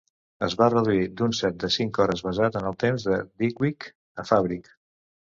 Es va reduir d'un set de cinc hores basat en el temps de Digweed a Fabric.